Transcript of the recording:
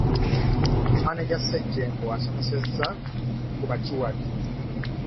Maneja Ssejjengo asomesezza ku bakiwagi.